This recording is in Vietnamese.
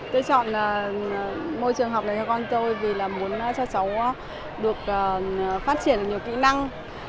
tôi chọn môi trường học này cho con tôi vì là muốn cho cháu được phát triển nhiều kỹ năng